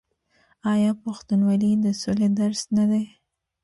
آیا پښتونولي د سولې درس نه دی؟